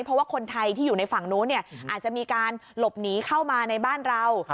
เพราะว่าคนไทยที่อยู่ในฝั่งนู้นอาจจะมีการหลบหนีเข้ามาในบ้านเรา